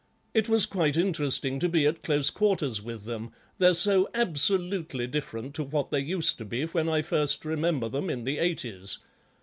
It was quite interesting to be at close quarters with them, they're so absolutely different to what they used to be when I first remember them in the 'eighties.